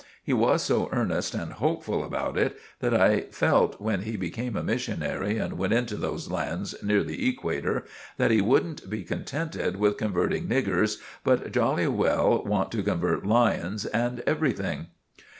He was so earnest and hopeful about it that I felt when he became a missionary and went into those lands near the equator, that he wouldn't be contented with converting niggers, but jolly well want to convert lions and everything.